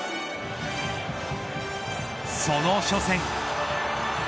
その初戦。